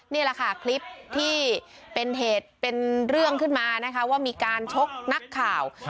นี่แหละค่ะคลิปที่เป็นเหตุเป็นเรื่องขึ้นมานะคะว่ามีการชกนักข่าว